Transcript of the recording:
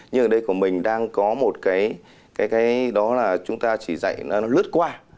nhưng ở đây của mình đang có một cái đó là chúng ta chỉ dạy nó lướt qua